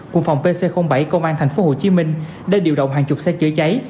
quận phòng pc bảy công an thành phố hồ chí minh đã điều động hàng chục xe chữa cháy